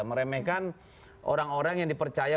meremehkan orang orang yang dipercaya